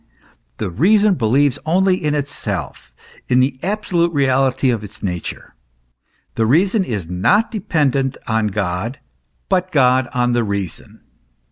the reason believes only in itself, in the absolute reality of its own nature. The reason is not dependent on God, but God on the reason.